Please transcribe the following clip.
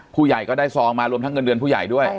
ผู้ใหญ่ก็ได้ซองมารวมทั้งเงินเดือนผู้ใหญ่ด้วย